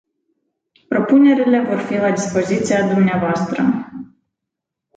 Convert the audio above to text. Propunerile vor fi la dispoziția dumneavoastră.